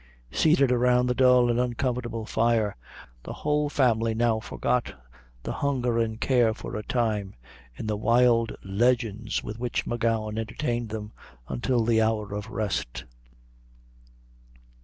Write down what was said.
Seated around the dull and uncomfortable fire, the whole family now forgot the hunger and care for a time, in the wild legends with which M'Gowan entertained them, until the hour of rest.